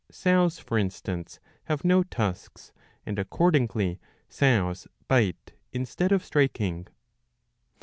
Sows, for instance, have no tusks, and accordingly sows bite instead of striking.